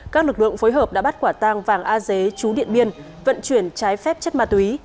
các lực lượng phối hợp đã bắt quả tang vàng a dế chú điện biên vận chuyển trái phép chất ma túy